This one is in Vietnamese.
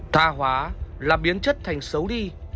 tha hóa là biến chất thành xấu đi